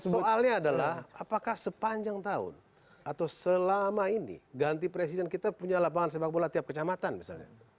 soalnya adalah apakah sepanjang tahun atau selama ini ganti presiden kita punya lapangan sepak bola tiap kecamatan misalnya